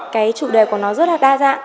cái chủ đề của nó rất là đa dạng